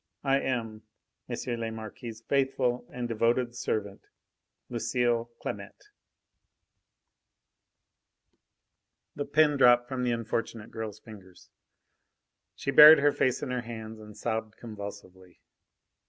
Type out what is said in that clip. I am, M. le Marquis' faithful and devoted servant, LUCILE CLAMETTE." The pen dropped from the unfortunate girl's fingers. She buried her face in her hands and sobbed convulsively.